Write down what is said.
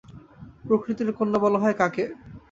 প্রকৃতির কন্যা বলা হয় কাকে?